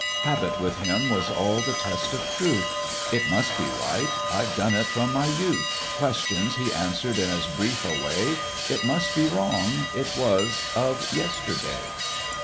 Habit with him was all the test of truth: "It must be right: I've done it from my youth." Questions he answer'd in as brief a way: "It must be wrong it was of yesterday."